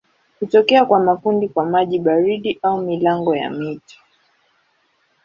Hutokea kwa makundi kwa maji baridi au milango ya mito.